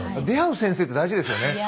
出会う先生って大事ですよね。